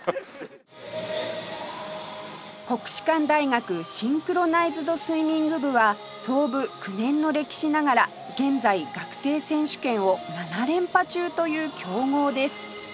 国士舘大学シンクロナイズドスイミング部は創部９年の歴史ながら現在学生選手権を７連覇中という強豪です